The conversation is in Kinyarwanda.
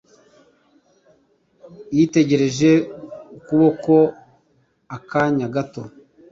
Yitegereje ukuboko akanya gato.